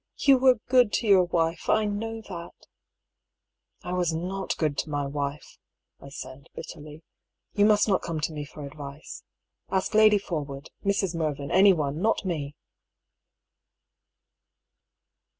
" You were good to your wife, I know that !"" I was not good to my wife," I said, bitterly. " You must not come to me for advice. Ask Lady Porwood, Mrs. Mervyn, anyone, not me